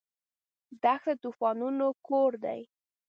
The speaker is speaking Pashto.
دښته د طوفانونو کور دی.